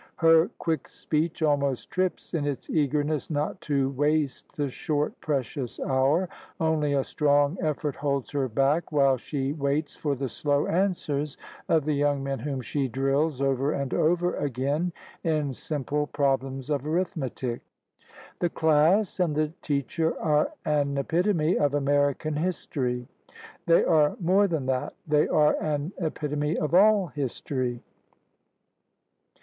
Her quick speech almost trips in its eagerness not to waste the short, precious hour. Only a strong eflPort holds her back while she waits for the slow answers of the young men whom she drills over and over again in simple problems of arithmetic. The class and the teacher are an epitome of American history. They are more than that. They are an epitome of all history.